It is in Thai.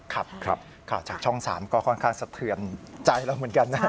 ครับครับครับค่ะจากช่องสามก็ค่อนข้างสะเทื่อมใจเราเหมือนกันนะครับ